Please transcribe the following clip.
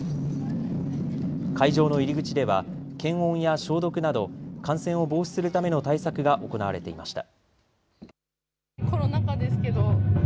会場の入り口では検温や消毒など感染を防止するための対策が行われていました。